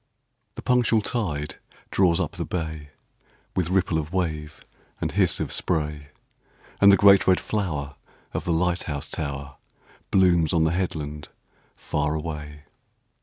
The punctual tide draws up the bay, With ripple of wave and hiss of spray, And the great red flower of the light house tower Blooms on the headland far away.